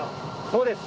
そうです。